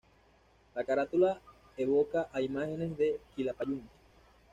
La carátula evoca a imágenes de Quilapayún.